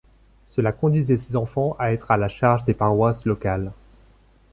Cela conduisait ces enfants à être à la charge des paroisses locales.